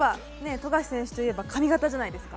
富樫選手といえば髪形じゃないですか。